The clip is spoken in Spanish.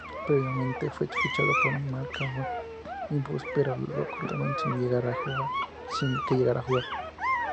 Previamente fue fichado por Milwaukee Bucks pero lo cortaron sin que llegara a jugar.